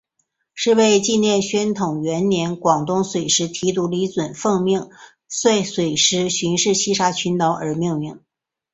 是为纪念宣统元年广东水师提督李准奉命率水师巡视西沙群岛而命名。